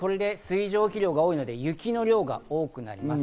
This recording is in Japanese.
これで水蒸気量が多いので、雪の量が多くなります。